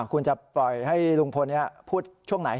คุณจะปล่อยให้ลุงพลพูดช่วงไหน